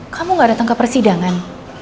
kamu gak datang ke persidangan